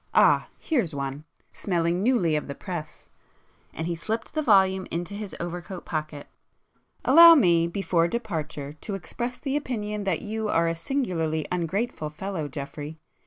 Ah—here's one—smelling newly of the press," and he slipped the volume into his overcoat pocket; "Allow me, before departure, to express the opinion that you are a singularly ungrateful fellow, Geoffrey!